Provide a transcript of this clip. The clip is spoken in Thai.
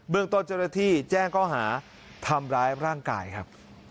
เมืองต้นเจ้าหน้าที่แจ้งข้อหาทำร้ายร่างกายครับ